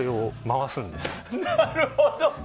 なるほど！